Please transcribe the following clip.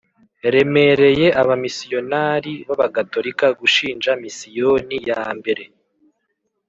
remereye abamisiyonari b Abagatolika gushinga misiyoni ya mbere